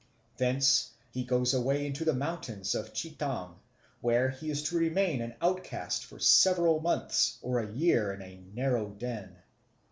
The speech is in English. Thence he goes away into the mountains of Chetang, where he has to remain an outcast for several months or a year in a narrow den.